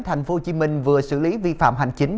tp hcm vừa xử lý vi phạm hành chính